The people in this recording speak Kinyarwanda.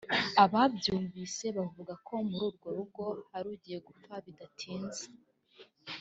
ababyumvise bavugaga ko muri urwo rugo hari ugiye gupfa bidatinze